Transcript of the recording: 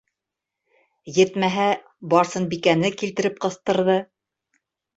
Етмәһә, Барсынбикәне килтереп ҡыҫтырҙы.